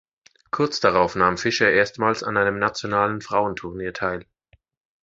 Kurz darauf nahm Fisher erstmals an einem nationalen Frauenturnier teil.